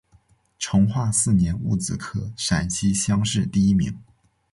成化四年戊子科陕西乡试第一名。